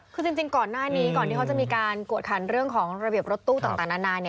คือจริงก่อนหน้านี้ก่อนที่เขาจะมีการกวดขันเรื่องของระเบียบรถตู้ต่างนานา